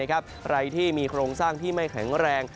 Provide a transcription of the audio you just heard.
ใครที่มีโครงสร้างที่ไม่แข็งแรง